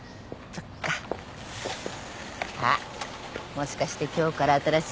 もしかして今日から新しい絵の具かな？